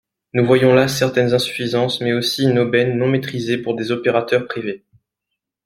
Nous voyons là certaines insuffisances mais aussi une aubaine non maîtrisée pour des opérateurs privés.